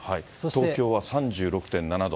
東京は３６．７度。